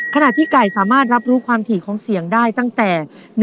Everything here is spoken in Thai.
ที่ไก่สามารถรับรู้ความถี่ของเสียงได้ตั้งแต่